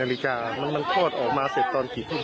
นาฬิกามันคลอดออกมาเสร็จตอนกี่ทุ่ม